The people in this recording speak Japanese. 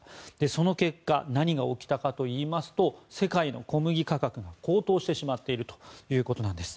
その結果何が起きたかといいますと世界の小麦価格が高騰してしまっているということなんです。